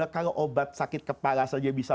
kalau obat sakit kepala saja bisa